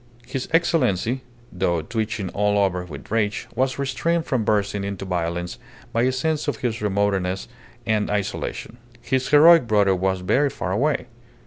His Excellency, though twitching all over with rage, was restrained from bursting into violence by a sense of his remoteness and isolation. His heroic brother was very far away.